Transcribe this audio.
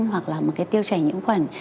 hoặc là một cái tiêu chảy nhiễm khuẩn